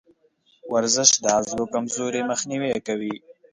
ورزش د عضلو کمزوري مخنیوی کوي.